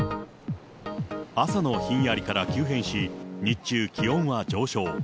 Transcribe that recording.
朝のひんやりから急変し、日中、気温は上昇。